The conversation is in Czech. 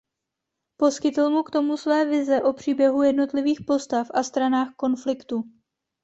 Poskytl mu k tomu své vize o příběhu jednotlivých postav a stranách konfliktu.